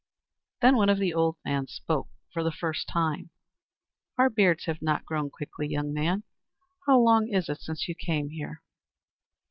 Then one of the old men spoke, for the first time. "Our beards have not grown quickly, young man. How long is it since you came here?"